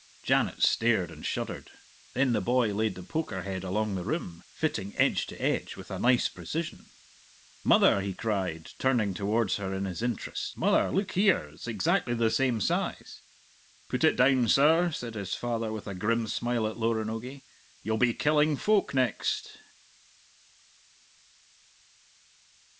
Janet stared and shuddered. Then the boy laid the poker head along the rim, fitting edge to edge with a nice precision. "Mother," he cried, turning towards her in his interest, "mother, look here! It's exactly the same size!" "Put it down, sir," said his father with a grim smile at Loranogie. "You'll be killing folk next."